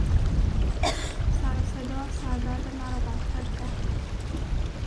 سروصدا سر درد مرا بدتر کرد.